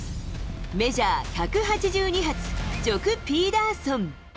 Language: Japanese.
メジャー１８２発、ジョク・ピーダーソン。